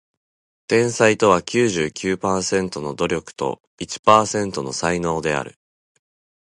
天才とは九十九パーセントの努力と一パーセントの才能である